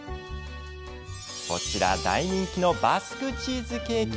こちら、大人気のバスクチーズケーキ。